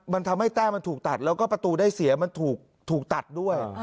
มันทำให้แต้มันถูกตัดแล้วก็ประตูได้เสียมันถูกตัดด้วย